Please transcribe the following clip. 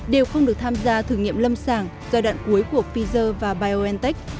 đều không được tham gia thử nghiệm lâm sàng giai đoạn cuối của pfizer và biontech